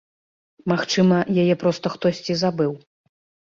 Магчыма, яе проста хтосьці забыў.